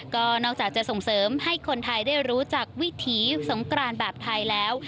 ก็นอกจากจะส่งเสริมให้คนไทยได้รู้จักวิถีสงกรานแบบไทยแล้ว